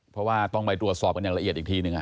เพราะว่าต้องไปตรวจสอบกันอย่างละเอียดอีกทีหนึ่ง